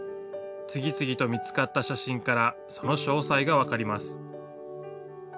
次々と見つかった写真からその詳細が分かります。